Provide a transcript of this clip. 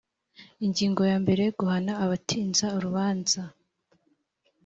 Ingingo ya mbere Guhana abatinza urubanza